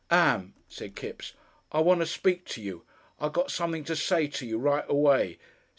"Ann," said Kipps, "I want to speak to you. I got something to say to you right away.